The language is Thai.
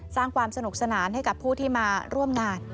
สร้างความสนุกสนานให้กับผู้ที่มาร่วมงาน